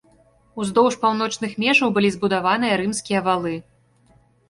Уздоўж паўночных межаў былі збудаваныя рымскія валы.